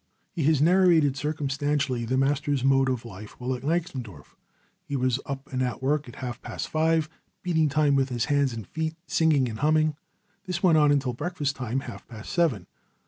He has narrated circumstantially the master's mode of life while at Gneixendorf. He was up and at work at half past five, beating time with hands and feet, singing, humming. This went on until breakfast time, half past seven.